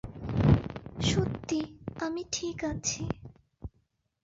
সত্যি, আমি ঠিক আছি।